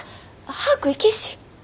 早く行けし。